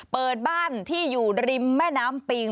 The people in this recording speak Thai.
เปิดบ้านที่อยู่ริมแม่น้ำปิง